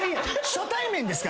・初対面ですか？